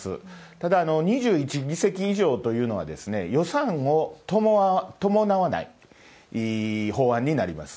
ただ、２１議席以上というのは、予算を伴わない法案になります。